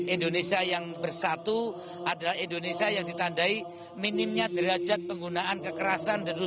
indonesia yang bersatu adalah indonesia yang ditandai minimnya derajat penggunaan kekerasan